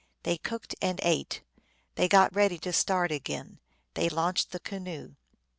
They cooked and ate. They got ready to start again ; they launched the canoe.